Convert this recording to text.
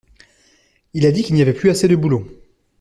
Il a dit qu’il n’y avait plus assez de boulot.